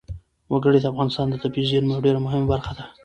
وګړي د افغانستان د طبیعي زیرمو یوه ډېره مهمه برخه ده.